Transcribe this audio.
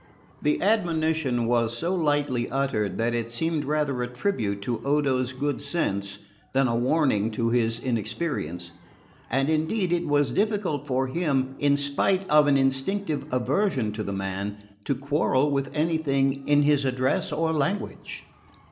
The admonition was so lightly uttered that it seemed rather a tribute to Odo's good sense than a warning to his inexperience; and indeed it was difficult for him, in spite of an instinctive aversion to the man, to quarrel with anything in his address or language.